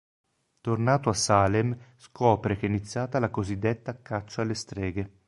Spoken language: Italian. Tornato a Salem scopre che è iniziata la cosiddetta caccia alle streghe.